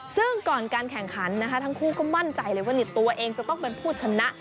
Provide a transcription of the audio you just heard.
ซึ่งก่อนการแข่งขันนะคะทั้งคู่ก็มั่นใจเลยว่าตัวเองจะต้องเป็นผู้ชนะ